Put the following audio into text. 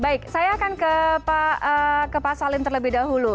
baik saya akan ke pak salim terlebih dahulu